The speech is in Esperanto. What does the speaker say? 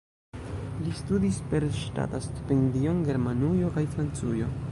Li studis per ŝtata stipendio en Germanujo kaj Francujo.